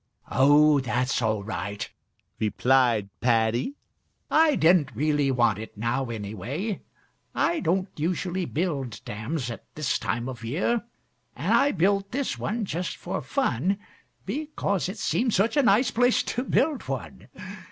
"Oh, that's all right," replied Paddy. "I didn't really want it now, anyway. I don't usually build dams at this time of year, and I built this one just for fun because it seemed such a nice place to build one.